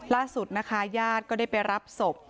ล่าสุดนะคะญาติก็ได้ไปรับศพ